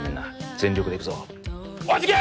全力でいくぞおしいけ！